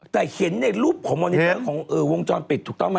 แต่เห็นในรูปของวงจรปิดถูกต้องไหม